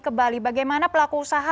ke bali bagaimana pelaku usaha